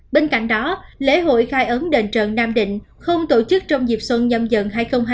bên cạnh đó lễ hội khai ấn đền trần nam định không tổ chức trong dịp xuân nhâm dần hai nghìn hai mươi bốn